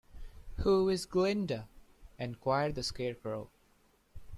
Who is Glinda? enquired the Scarecrow.